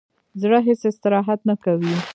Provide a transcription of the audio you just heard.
زړه هیڅ استراحت نه کوي